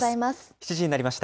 ７時になりました。